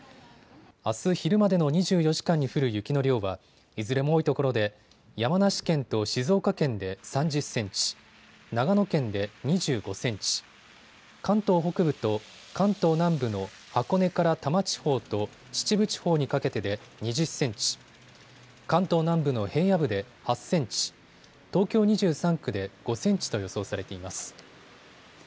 あす昼までの２４時間に降る雪の量はいずれも多いところで山梨県と静岡県で３０センチ、長野県で２５センチ、関東北部と関東南部の箱根から多摩地方と秩父地方にかけてで２０センチ、関東南部の平野部で８センチ、東京２３区で５センチと予想されています。